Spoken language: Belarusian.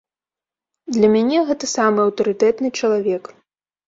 Для мяне гэта самы аўтарытэтны чалавек.